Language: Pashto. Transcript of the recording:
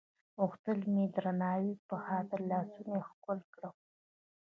غوښتل مې د درناوي په خاطر لاسونه یې ښکل کړم.